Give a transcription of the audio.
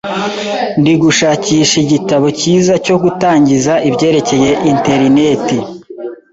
Ndi gushakisha igitabo cyiza cyo gutangiza ibyerekeye interineti.